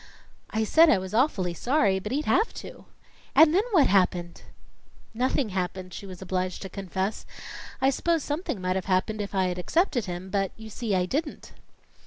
"I said I was awfully sorry, but he'd have to." "And then what happened?" "Nothing happened," she was obliged to confess. "I s'pose something might have happened if I'd accepted him, but you see, I didn't."